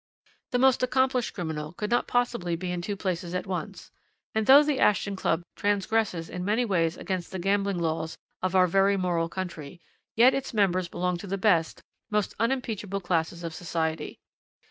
The most accomplished criminal could not possibly be in two places at once, and though the Ashton Club transgresses in many ways against the gambling laws of our very moral country, yet its members belong to the best, most unimpeachable classes of society.